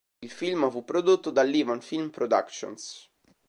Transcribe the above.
Il film fu prodotto dall'Ivan Film Productions.